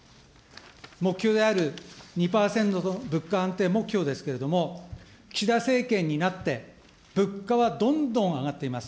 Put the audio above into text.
目標である２％の物価安定目標ですけれども、岸田政権になって、物価はどんどん上がっています。